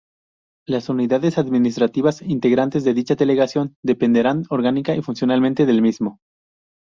Las unidades administrativas integrantes de dicha Delegación dependerán orgánica y funcionalmente del mismo.